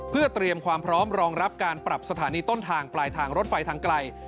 เพื่อเตรียมความพร้อมรองรับการปรับสถานีต้นทางปลายทางรถไฟทางไกล